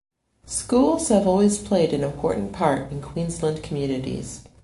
Schools have always played an important part in Queensland communities.